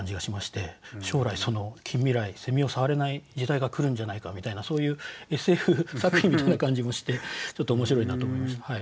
将来近未来を触れない時代が来るんじゃないかみたいなそういうＳＦ作品みたいな感じもしてちょっと面白いなと思いました。